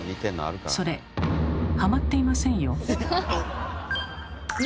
それはまっていませんよ。